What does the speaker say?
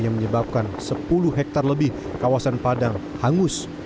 yang menyebabkan sepuluh hektare lebih kawasan padang hangus